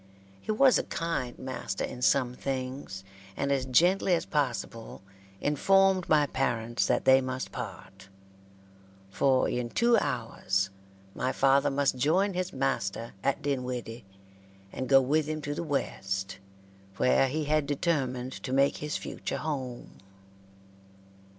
He was a kind master in some things, and as gently as possible informed my parents that they must part; for in two hours my father must join his master at Dinwiddie, and go with him to the West, where he had determined to make his future home.